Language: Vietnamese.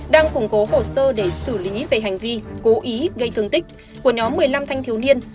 đang củng cố hồ sơ để xử lý về hành vi cố ý gây thương tích của nhóm một mươi năm thanh thiếu niên